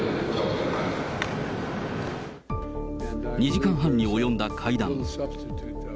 ２時間半に及んだ会談。